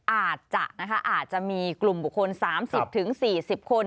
อาจจะนะคะอาจจะมีกลุ่มบุคคล๓๐๔๐คน